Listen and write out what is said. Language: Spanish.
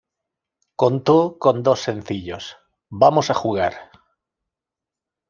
Contó con dos sencillos: "¡Vamos a jugar!